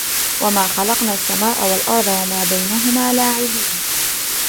وما خلقنا السماء والأرض وما بينهما لاعبين